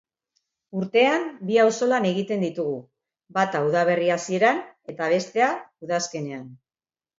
Urtean bi auzolan egiten ditugu, bata udaberri hasieran eta bestea udazkenean.